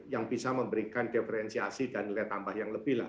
yang bisa memberikan diferensiasi dan nilai tambah yang lebih lah